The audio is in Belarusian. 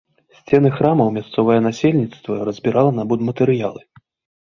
Сцены храмаў мясцовае насельніцтва разбірала на будматэрыялы.